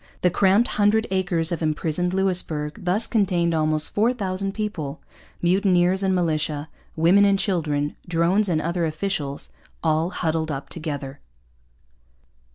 The cramped hundred acres of imprisoned Louisbourg thus contained almost 4,000 people mutineers and militia, women and children, drones and other officials, all huddled up together.